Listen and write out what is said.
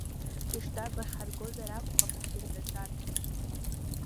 Рыштаб ахь ҳаргозар акәхап хдырҳәацәарц…